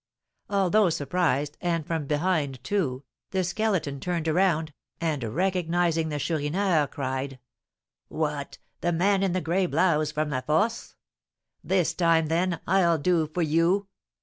Although surprised, and from behind too, the Skeleton turned around, and, recognising the Chourineur, cried, "What! the man in the gray blouse from La Force? This time, then, I'll do for you!"